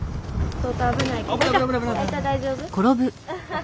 大丈夫。